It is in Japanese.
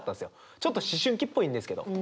ちょっと思春期っぽいんですけど。